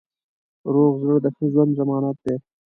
روغ زړه د ښه ژوند ضمانت دی.